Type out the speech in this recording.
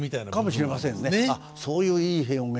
あっそういういい表現。